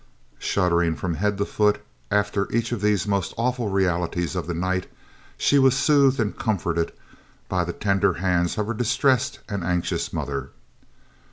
Shuddering from head to foot after each of these most awful realities of the night, she was soothed and comforted by the tender hands of her distressed and anxious mother.